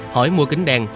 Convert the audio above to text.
hỏi mua kính đen